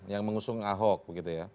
yang mengusung ahok begitu ya